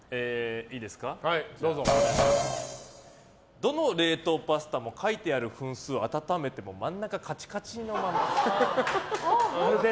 どの冷凍パスタも書いてある分数を温めても真ん中カチカチのまま。